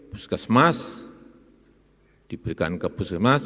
puskesmas diberikan ke puskesmas